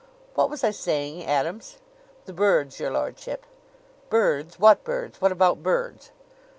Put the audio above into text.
"What was I saying, Adams?" "The birds, your lordship." "Birds! What birds? What about birds?"